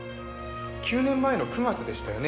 ９年前の９月でしたよね